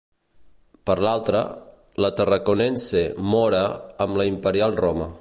Per l'altra, la “tarraconense” Móra amb la imperial Roma.